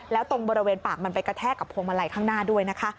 แล้วตรงบริเวณปากมันไปกระแทกกับพวงมาลัยข้างหน้าด้วยนะคะ